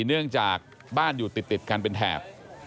เนื่องจากบ้านอยู่ติดกันเป็นแถบ